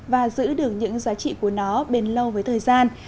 và giữ được những giá trị của nó bền lâu với thời gian